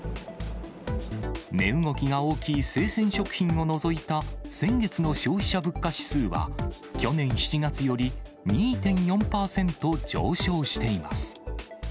値動きが大きい生鮮食品を除いた先月の消費者物価指数は、去年７月より２．４％上昇しています。